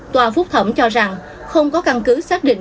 tòa phúc thẩm cho rằng không có căn cứ xác định